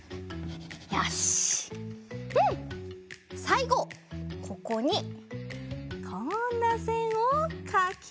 さいごここにこんなせんをかきます。